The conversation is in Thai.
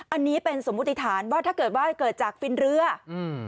อันนี้เป็นสมมุติฐานว่าถ้าเกิดว่าเกิดจากฟินเรืออืม